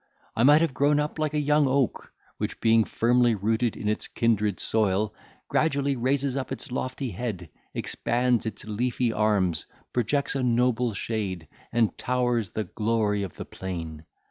I might have grown up like a young oak, which, being firmly rooted in its kindred soil, gradually raises up its lofty head, expands its leafy arms, projects a noble shade, and towers the glory of the plain.